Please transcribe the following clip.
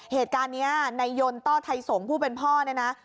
เหตุการณ์นี้ในยนต์ต้อไทยสงฆ์ผู้เป็นพ่อเนี่ยนะ